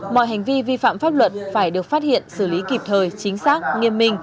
mọi hành vi vi phạm pháp luật phải được phát hiện xử lý kịp thời chính xác nghiêm minh